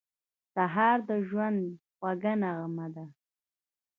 سهار د ژوند خوږه نغمه ده.